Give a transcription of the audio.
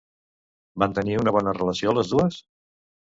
Van tenir una bona relació les dues?